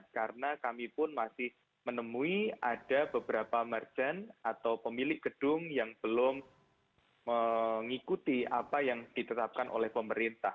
karena kami pun masih menemui ada beberapa merjen atau pemilik gedung yang belum mengikuti apa yang ditetapkan oleh pemerintah